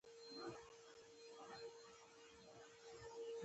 بې رحمه یرغلګر استعماري ځواک لیدلی و